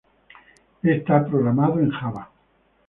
Está programado en java